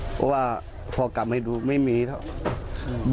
เพราะว่าพอกลับมาดูไม่มีเท่า